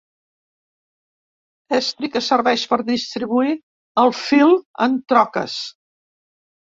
Estri que serveix per distribuir el fil en troques.